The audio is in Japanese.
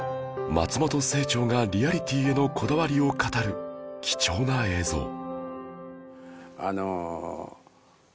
松本清張がリアリティへのこだわりを語る貴重な映像